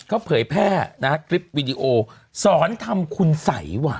เขาเผยแพร่นะคริปวิดีโอสอนทำขุนใสวะ